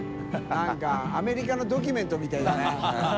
燭アメリカのドキュメントみたいだね。